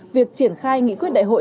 việc triển khai nghị quyết đại hội